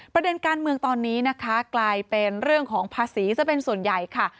ประเด็นการเมืองตอนนี้นะคะกลายเป็นเรื่องของภาษีซะเป็นส่วนใหญ่ค่ะ